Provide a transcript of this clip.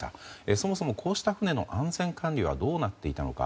そもそもこうした船の安全管理はどうなっていたのか。